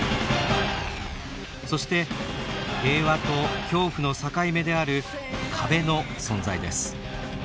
そして平和と恐怖の境目である「壁」の存在です。